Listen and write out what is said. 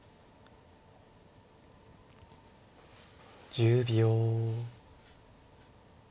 １０秒。